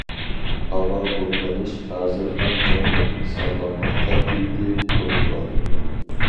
ھاۋا بۇلغىنىش ھازىر ئەڭ چوڭ مۇھىت ساغلاملىق تەھدىتى بولۇپ قالدى.